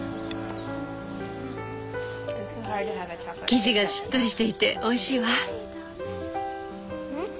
生地がしっとりしていておいしいわ。